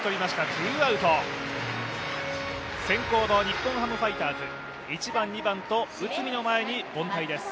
先攻の日本ハムファイターズ、１番、２番と内海の前に凡退です。